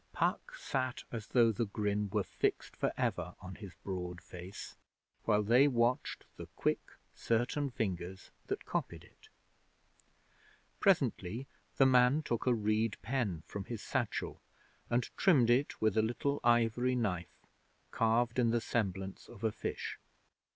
Puck sat as though the grin were fixed for ever on his broad face, while they watched the quick, certain fingers that copied it. Presently the man took a reed pen from his satchel, and trimmed it with a little ivory knife, carved in the semblance of a fish.